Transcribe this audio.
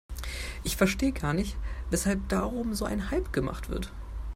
Ich verstehe gar nicht, weshalb darum so ein Hype gemacht wird.